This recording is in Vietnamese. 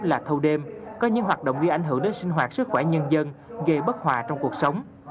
là thâu đêm có những hoạt động gây ảnh hưởng đến sinh hoạt sức khỏe nhân dân gây bất hòa trong cuộc sống